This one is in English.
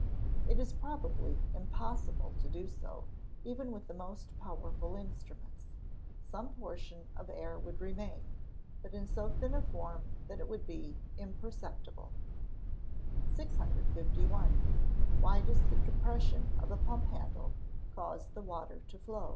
_ It is probably impossible to do so, even with the most powerful instruments some portion of air would remain, but in so thin a form that it would be imperceptible. 651. _Why does the depression of a pump handle cause the water to flow?